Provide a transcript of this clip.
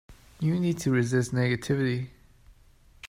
You need to resist negativity.